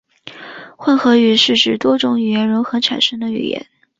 混合语是指多种语言融合产生的语言。